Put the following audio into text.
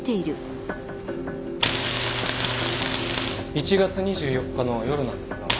１月２４日の夜なんですが。